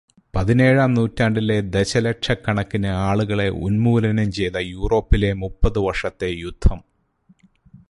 പതിനേഴാം നൂറ്റാണ്ടിലെ ദശലക്ഷക്കണക്കിനു ആളുകളെ ഉന്മൂലനം ചെയ്ത യൂറോപ്പിലെ മുപ്പതു വര്ഷത്തെ യുദ്ധം